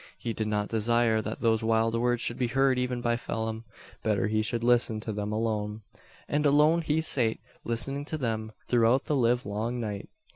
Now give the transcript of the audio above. He did not desire that those wild words should be heard even by Phelim. Better he should listen to them alone. And alone he sate listening to them throughout the live long night.